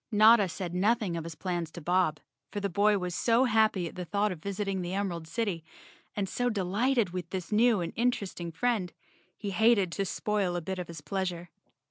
Notta said nothing of his plans to Bob, for the boy was so happy at the thought of visiting the Emerald City, and so delighted with this new and interesting friend, he hated to spoil a bit of his pleasure.